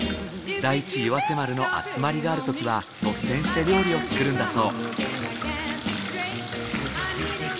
第一岩瀬丸の集まりがあるときは率先して料理を作るんだそう。